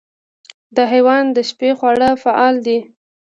دا حیوان د شپې خورا فعال دی.